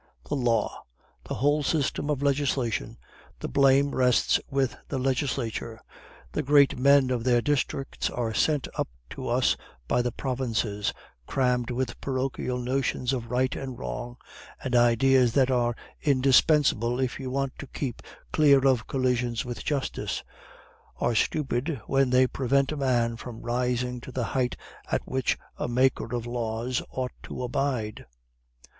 The law! the whole system of legislation. The blame rests with the legislature. The great men of their districts are sent up to us by the provinces, crammed with parochial notions of right and wrong; and ideas that are indispensable if you want to keep clear of collisions with justice, are stupid when they prevent a man from rising to the height at which a maker of the laws ought to abide.